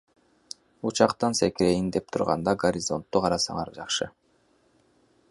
Учактан секирейин деп турганда горизонтту карасаңар жакшы.